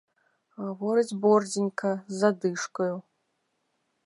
Гаворыць борздзенька з задышкаю.